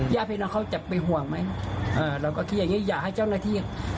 ญาติพี่น้องเขาจะไปห่วงไหมเอ่อเราก็คิดอย่างงี้อยากให้เจ้าหน้าที่